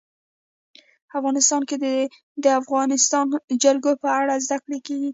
افغانستان کې د د افغانستان جلکو په اړه زده کړه کېږي.